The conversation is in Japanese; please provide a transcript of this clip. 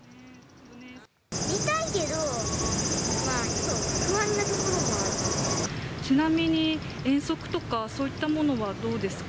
見たいけど、不安なところもちなみに、遠足とかそういったものはどうですか？